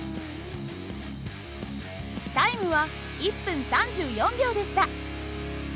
タイムは１分３４秒でした。